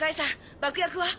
爆薬は？